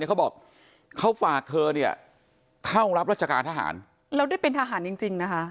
เขาบอกเขาฝากเธอเนี่ยเข้ารับราชการทหารแล้วได้เป็นทหารจริงจริงนะคะ